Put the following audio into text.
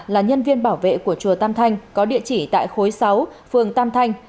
là nhân viên bảo vệ của chùa tam thanh có địa chỉ tại khối sáu phường tam thanh